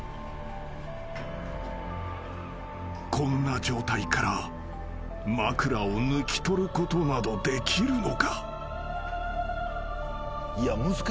［こんな状態から枕を抜き取ることなどできるのか？］